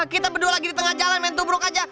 kita berdua lagi di tengah jalan main tubruk aja